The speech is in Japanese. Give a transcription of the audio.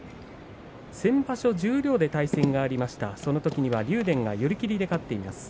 先場所、十両で対戦がありましたそのときには竜電が寄り切りで勝ちました。